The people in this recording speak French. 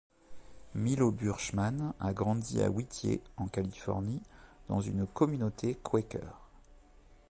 Milo Burcham a grandi à Whittier en Californie dans une communauté Quaker.